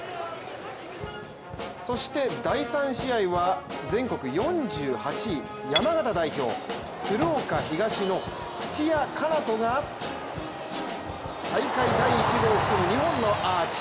そして第３試合は、全国４８位山形代表、鶴岡東の土屋奏人が大会第１号を含む２本のアーチ。